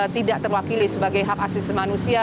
tidak terwakili sebagai hak asasi manusia